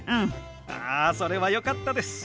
あそれはよかったです。